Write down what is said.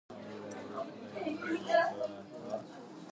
Smith had moved up to Middleweight to challenge Jacobs.